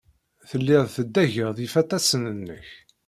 Telliḍ teddageḍ ifatasen-nnek.